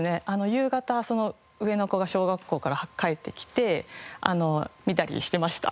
夕方上の子が小学校から帰ってきて見たりしてました。